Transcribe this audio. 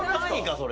それ。